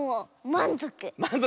まんぞく？